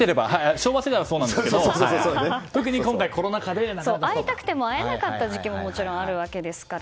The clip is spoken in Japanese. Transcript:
昭和世代はそうなんですけど会いたくても会えなかった時期ももちろんあるわけですから。